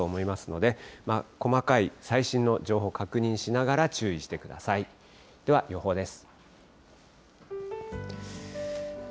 では予報です。